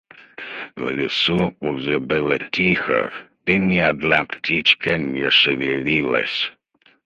В лесу уже было тихо, и ни одна птичка не шевелилась.